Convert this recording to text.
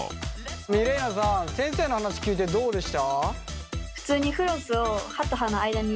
ミレイナさん先生の話聞いてどうでした？